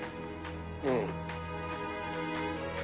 うん。